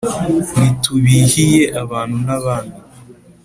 ntitubihiye abantu n’abami,